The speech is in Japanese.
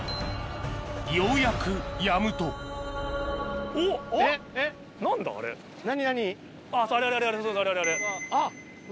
ようやくやむと何何？